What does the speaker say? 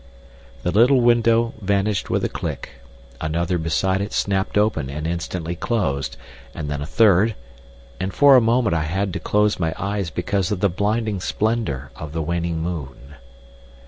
The little window vanished with a click, another beside it snapped open and instantly closed, and then a third, and for a moment I had to close my eyes because of the blinding splendour of the waning moon.